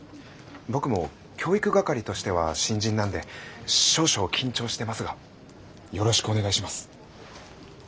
僕も教育係としては新人なんで少々緊張してますがよろしくお願いします。